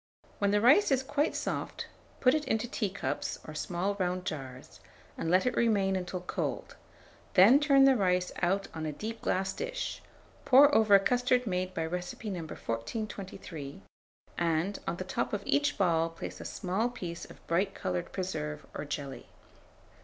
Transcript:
When the rice is quite soft, put it into teacups, or small round jars, and let it remain until cold; then turn the rice out on a deep glass dish, pour over a custard made by recipe No. 1423, and, on the top of each ball place a small piece of bright coloured preserve or jelly.